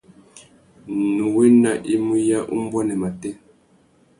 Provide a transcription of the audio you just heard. Nnú wena i mú ya umbuênê matê.